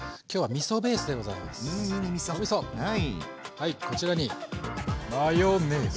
はいこちらにマヨネーズ。